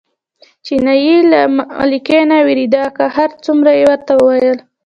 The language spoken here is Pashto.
چیني له ملکه نه وېرېده، که هر څومره یې ورته وویل.